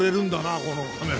このカメラ。